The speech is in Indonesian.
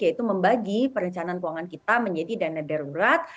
yaitu membagi perencanaan keuangan kita menjadi dana darurat